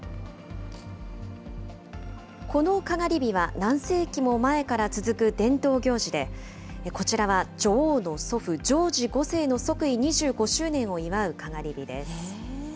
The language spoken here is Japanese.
このかがり火は、何世紀も前から続く伝統行事で、こちらは女王の祖父、ジョージ５世の即位２５年を祝うかがり火です。